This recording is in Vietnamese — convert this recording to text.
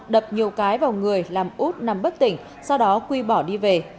đập nhiều cái vào người làm út nằm bất tỉnh sau đó quy bỏ đi về